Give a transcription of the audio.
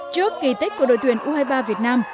trước kỳ tích của đội tuyển u hai mươi ba việt nam